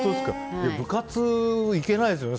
部活行けないですよね